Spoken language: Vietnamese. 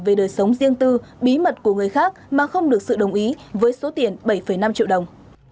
về đời sống riêng tư bí mật của người khác mà không được sự đồng ý với số tiền bảy năm triệu đồng